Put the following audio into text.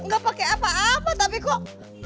gak pakai apa apa tapi kok